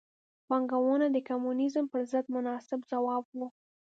پانګونه د کمونیزم پر ضد مناسب ځواب و.